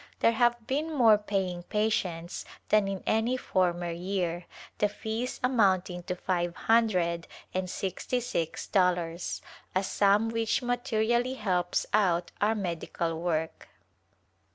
There have been more paying patients than in any former year, the fees amounting to five hundred and sixty six dollars, a sum which materially helps out our medical work.